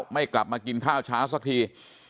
ไม่กลับมากินข้าวเช้าสักที